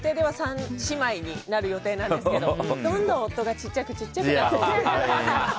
予定では３姉妹になる予定なんですけどどんどん夫が小っちゃくなっていって。